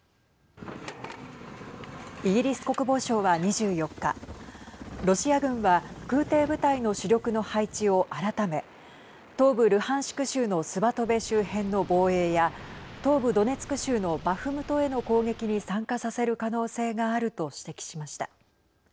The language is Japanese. イギリス国防省は、２４日ロシア軍は空てい部隊の主力の配置を改め東部ルハンシク州のスバトベ周辺の防衛や東部ドネツク州のバフムトへの攻撃に参加させる可能性があると指摘しました。